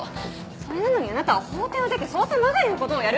それなのにあなたは法廷を出て捜査まがいのことをやる？